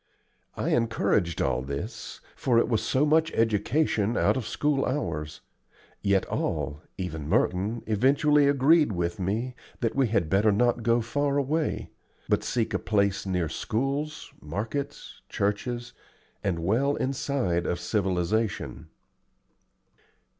I encouraged all this, for it was so much education out of school hours; yet all, even Merton, eventually agreed with me that we had better not go far away, but seek a place near schools, markets, churches, and well inside of civilization.